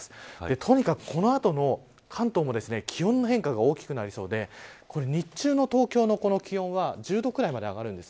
とにかくこの後の関東も気温の変化が大きくなりそうで日中の東京の気温は１０度くらいまで上がるんです。